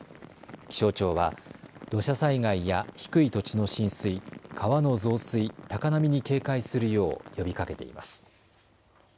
気象庁は土砂災害や低い土地の浸水、川の増水、高波に警戒するよう呼びかけています。